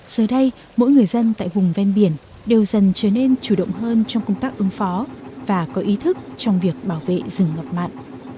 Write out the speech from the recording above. giờ đây mỗi người dân tại vùng ven biển đều dần trở nên chủ động hơn trong công tác ứng phó và có ý thức trong việc bảo vệ rừng ngập mặn